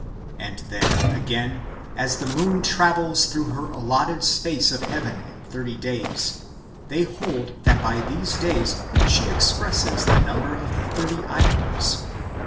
^ And then, again, as the moon travels through her allotted space of heaven in thirty days, they hold, that by these days she expresses the number of the thirty ^ons.